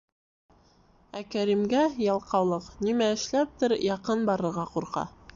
Ә Кәримгә ялҡаулыҡ, нимә эшләптер, яҡын барырға ҡурҡа.